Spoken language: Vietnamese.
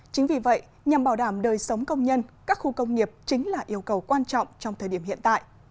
chính vì vậy nhằm bảo đảm đời sống công nhân các khu công nghiệp chính là yêu cầu quan trọng trong thời điểm hiện tại